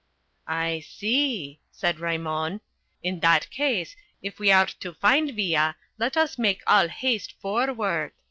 "I see," said Raymon. "In that case, if we are to find Villa let us make all haste forward.